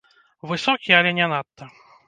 Высокі, але не надта.